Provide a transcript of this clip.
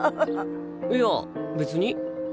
いや別に